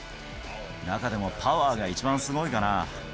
中でもパワーが一番すごいかな。